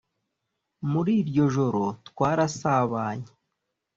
muri iryo joro twarasabanye